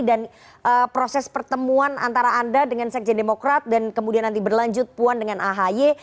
dan proses pertemuan antara anda dengan sekjen demokrat dan kemudian nanti berlanjut puan dengan ahaye